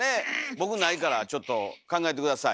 僕ないからちょっと考えて下さい。